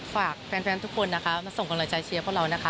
ฝากแฟนทุกคนนะคะมาส่งกำลังใจเชียร์พวกเรานะคะ